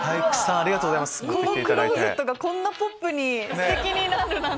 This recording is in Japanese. このクローゼットがこんなポップにステキになるなんて。